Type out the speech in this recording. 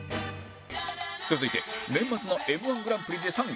続いて年末の Ｍ−１ グランプリで３位